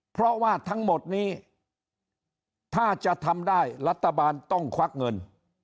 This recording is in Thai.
เพราะว่าทั้งหมดนี้ถ้าจะทำได้รัฐบาลต้องควักเงิน